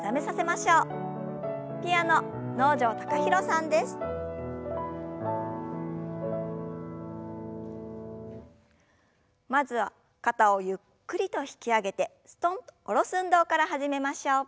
まずは肩をゆっくりと引き上げてすとんと下ろす運動から始めましょう。